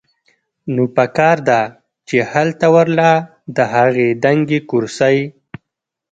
نو پکار ده چې هلته ورله د هغې دنګې کرسۍ